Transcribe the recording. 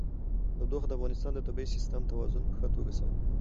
تودوخه د افغانستان د طبعي سیسټم توازن په ښه توګه ساتي.